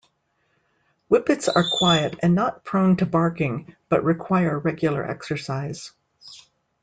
Whippets are quiet and not prone to barking, but require regular exercise.